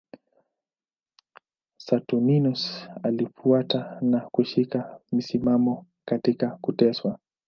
Saturninus alifuata na kushika msimamo katika kuteswa.